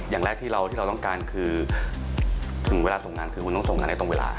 อย่างแรกที่เราต้องการคือถึงเวลาส่งงานคือคุณต้องส่งงานให้ตรงเวลา